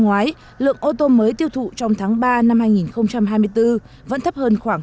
ngoái lượng ô tô mới tiêu thụ trong tháng ba năm hai nghìn hai mươi bốn vẫn thấp hơn khoảng